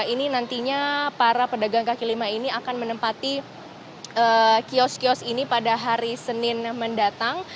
ini nantinya para pedagang kaki lima ini akan menempati kios kios ini pada hari senin mendatang